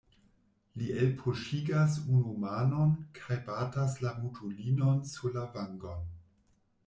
Li elpoŝigas unu manon kaj batas la mutulinon sur la vangon.